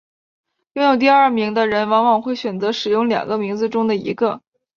拥有第二名的人往往会选择使用两个名字中的一个。